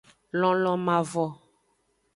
Lonlon mavo.